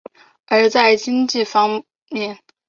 而在经济发展方面。